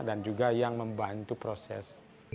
dan juga yang membantu proses